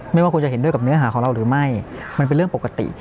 ไม่ว่าคุณจะเห็นด้วยกับเนื้อหาของเราหรือไม่มันเป็นเรื่องปกติ